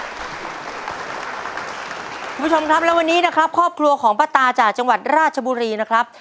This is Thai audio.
คุณผู้ชมครับและวันนี้นะครับครอบครัวของป้าตาจากจังหวัดราชบุรีนะครับ